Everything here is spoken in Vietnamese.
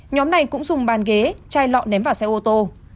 nhóm này cũng dùng bàn ghế chai lọ ném vào xe ô tô